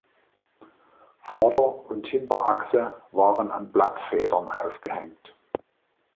Vorder- und Hinterachse waren an Blattfedern aufgehängt.